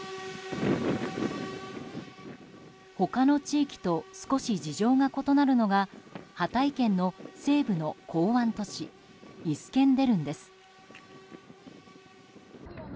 他の地域と少し事情が異なるのがハタイ県の西部の港湾都市イスケンデルンです。